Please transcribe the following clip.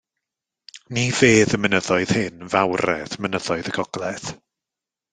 Ni fedd y mynyddoedd hyn fawredd mynyddoedd y gogledd.